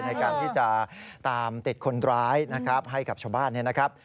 ในการที่จะตามติดคนร้ายนะครับให้กับชาวบ้านเนี่ยนะครับ